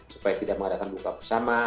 supaya tidak mengadakan buka bersama